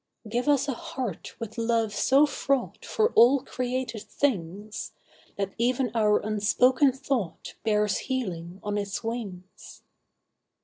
Give us a heart with love so fraught For all created things, That even our unspoken thought Bears healing on its wings.